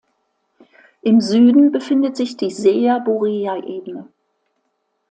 Im Süden befindet sich die Seja-Bureja-Ebene.